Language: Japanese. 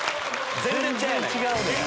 全然違うねや。